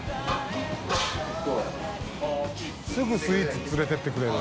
すぐスイーツ連れて行ってくれる。